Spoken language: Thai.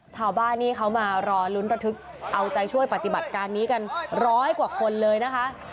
ชาวบ้านนี่เขามารอลุ้นระทึกเอาใจช่วยปฏิบัติการนี้กันร้อยกว่าคนเลยนะคะ